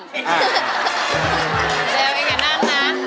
เร็วเองอย่านั่งนะ